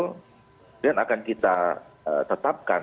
kemudian akan kita tetapkan